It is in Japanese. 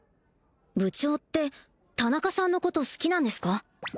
部長って田中さんのこと好きなんですか？